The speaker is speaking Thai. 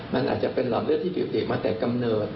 มันอาจจะเป็นหลอดเลือดที่ปิติมาแต่กำเนิด